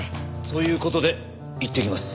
そういう事でいってきます。